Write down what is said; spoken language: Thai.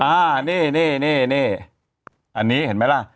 อันนี้เห็นไหมล่ะ